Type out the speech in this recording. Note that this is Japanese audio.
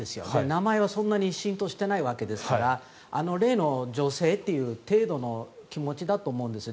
名前はそんなに浸透してないわけですからあの例の女性っていう程度の気持ちだと思うんです。